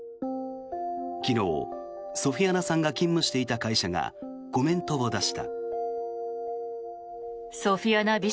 昨日、ソフィアナさんが勤務していた会社がコメントを出した。